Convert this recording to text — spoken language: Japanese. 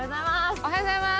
おはようございます